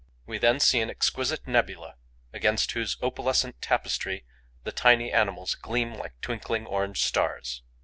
We then see an exquisite nebula against whose opalescent tapestry the tiny animals gleam like twinkling orange stars.